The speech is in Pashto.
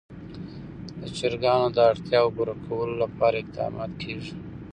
د چرګانو د اړتیاوو پوره کولو لپاره اقدامات کېږي.